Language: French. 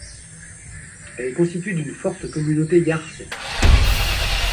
Elle est constituée d'une forte communauté Yarcé.